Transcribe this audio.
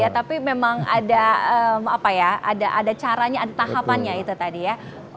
tapi memang ada caranya ada tahapannya itu tadi ya